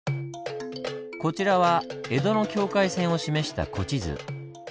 こちらは江戸の境界線を示した古地図。